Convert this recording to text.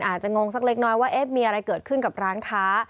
งงสักเล็กน้อยว่าเอ๊ะมีอะไรเกิดขึ้นกับร้านค้า